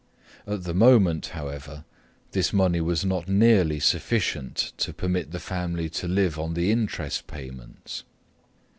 At the moment, however, this money was not nearly sufficient to permit the family to live on the interest payments.